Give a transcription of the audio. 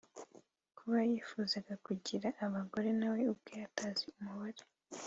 kuko yifuzaga kugira abagore nawe ubwe atazi umubare